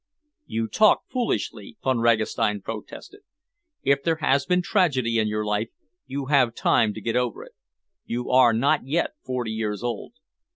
"You talk foolishly," Von Ragastein protested. "If there has been tragedy in your life, you have time to get over it. You are not yet forty years old."